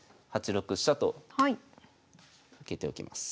８六飛車と受けておきます。